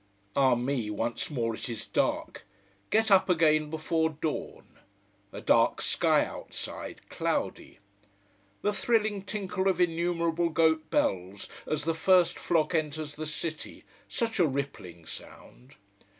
Ah me, once more it is dark. Get up again before dawn. A dark sky outside, cloudy. The thrilling tinkle of innumerable goat bells as the first flock enters the city, such a rippling sound.